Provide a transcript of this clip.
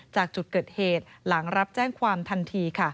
จากจุดเกิดเหตุหลังรับแจ้งความทันที